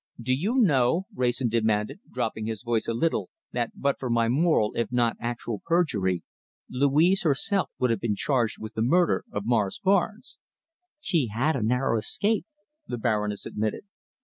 "Do you know," Wrayson demanded, dropping his voice a little, "that, but for my moral, if not actual perjury, Louise herself would have been charged with the murder of Morris Barnes?" "She had a narrow escape," the Baroness admitted.